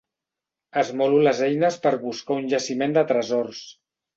Esmolo les eines per buscar un jaciment de tresors.